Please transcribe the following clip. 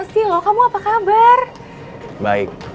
sini aku baik